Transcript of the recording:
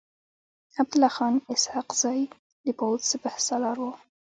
عبدالله خان اسحق زی د پوځ سپه سالار و.